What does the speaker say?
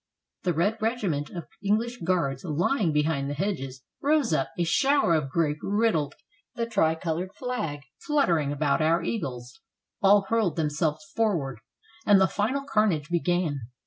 The red regiment of English Guards lying behind the hedges, rose up, a shower of grape riddled the tricolored flag fluttering about our eagles, all hurled themselves forward, and the final carnage began.